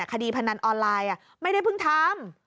พนันออนไลน์ไม่ได้เพิ่งทำ